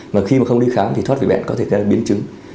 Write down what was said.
mà khi mà không đi khám thì thoát vị bệnh có thể là biến chứng